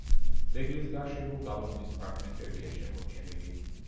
ძეგლის გარშემო გალავნის ფრაგმენტებია შემორჩენილი.